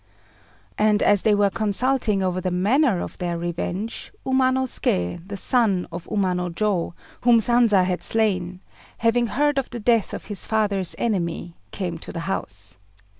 And as they were consulting over the manner of their revenge, Umanosuké, the son of Umanojô, whom Sanza had slain, having heard of the death of his father's enemy, came to the house.